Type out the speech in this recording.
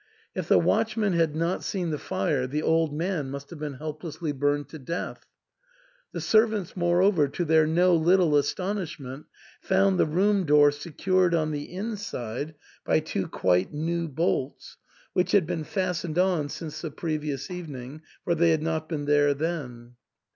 If the watchman had not seen the fire the old man must have been helplessly burned to death. The servants, moreover, to their no little astonishment found the room door secured on the inside by two quite new bolts, which had been fastened on since the previ ous evening, for they had not been there then.